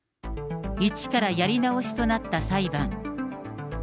一からやり直しとなった裁判。